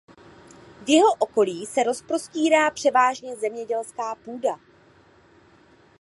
V jeho okolí se rozprostírá převážně zemědělská půda.